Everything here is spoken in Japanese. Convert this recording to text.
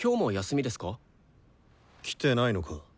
来てないのか？